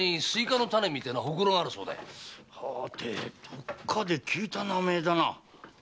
どっかで聞いた名前だな。